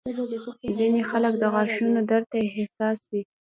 ځینې خلک د غاښونو درد ته حساس وي.